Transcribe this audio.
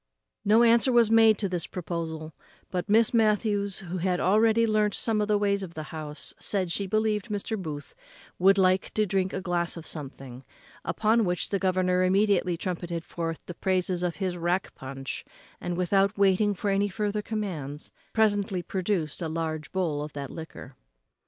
No answer was made to this proposal; but Miss Matthews, who had already learnt some of the ways of the house, said she believed Mr. Booth would like to drink a glass of something; upon which the governor immediately trumpeted forth the praises of his rack punch, and, without waiting for any farther commands, presently produced a large bowl of that liquor.